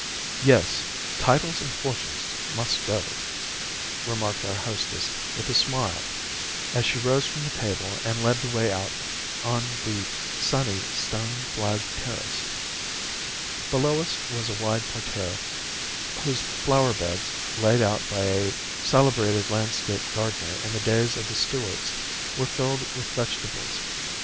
"Yes, titles and fortunes must go," remarked our hostess with a smile as she rose from the table and led the way out on the sunny, stone flagged terrace. Below us was a wide parterre whose flower beds, laid out by a celebrated landscape gardener in the days of the Stuarts, were filled with vegetables.